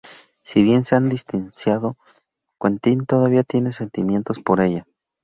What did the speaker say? Si bien se han distanciado, Quentin todavía tiene sentimientos por ella.